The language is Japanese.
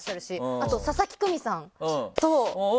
あと、佐々木久美さんと。